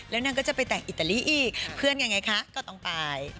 แล้วนางก็จะไปแต่งอิตาลีอีกเพื่อนยังไงคะก็ต้องตาย